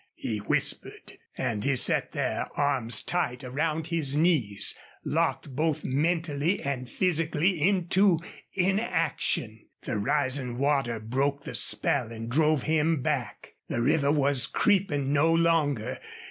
he whispered. And he sat there, arms tight around his knees, locked both mentally and physically into inaction. The rising water broke the spell and drove him back. The river was creeping no longer.